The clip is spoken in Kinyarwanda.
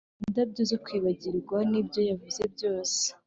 indabyo zo kwibagirwa, "nibyo yavuze byose;